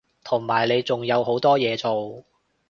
同埋你仲有好多嘢做